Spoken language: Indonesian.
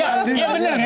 tidak enggak enggak